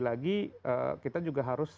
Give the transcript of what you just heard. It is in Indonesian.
lagi kita juga harus